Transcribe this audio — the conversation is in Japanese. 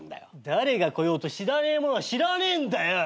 誰が来ようと知らねえもんは知らねえんだよ。